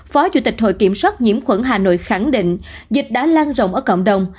phó chủ tịch hội kiểm soát nhiễm khuẩn hà nội khẳng định dịch đã lan rộng ở cộng đồng